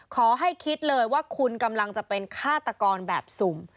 ขอให้คิดเลยว่าคุณกำลังจะเป็นฆาตกรแบบสุ่ม